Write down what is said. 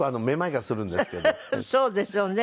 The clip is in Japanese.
そうでしょうね。